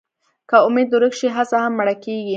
که امېد ورک شي، هڅه هم مړه کېږي.